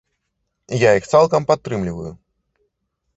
Я іх цалкам падтрымліваю.